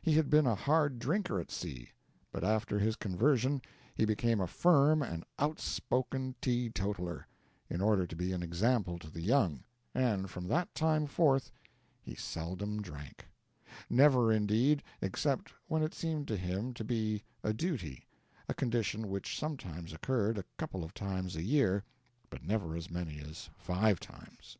He had been a hard drinker at sea, but after his conversion he became a firm and outspoken teetotaler, in order to be an example to the young, and from that time forth he seldom drank; never, indeed, except when it seemed to him to be a duty a condition which sometimes occurred a couple of times a year, but never as many as five times.